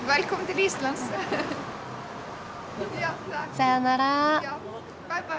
さようなら。